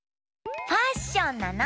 ファッションなの！